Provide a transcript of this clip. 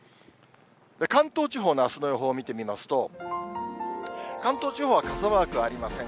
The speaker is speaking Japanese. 関東地方のあすの予報を見てみますと、関東地方は傘マークはありません。